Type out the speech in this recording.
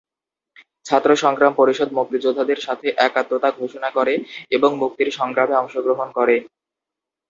ছাত্র সংগ্রাম পরিষদ মুক্তিযোদ্ধাদের সাথে একাত্মতা ঘোষণা করে এবং মুক্তির সংগ্রামে অংশগ্রহণ করে।